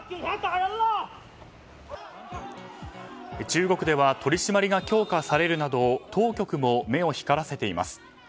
中国では取り締まりが強化されるなど当局も目を光らせています。